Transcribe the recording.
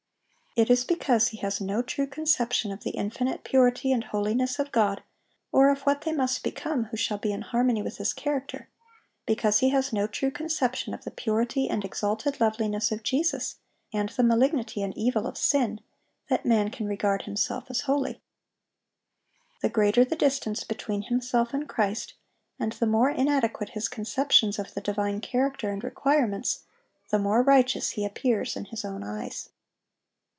It is because he has no true conception of the infinite purity and holiness of God, or of what they must become who shall be in harmony with His character; because he has no true conception of the purity and exalted loveliness of Jesus, and the malignity and evil of sin, that man can regard himself as holy. The greater the distance between himself and Christ, and the more inadequate his conceptions of the divine character and requirements, the more righteous he appears in his own eyes.